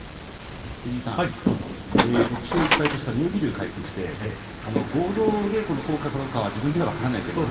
６勝１敗とした妙義龍が帰ってきて合同稽古の効果なのかどうか自分で分からない。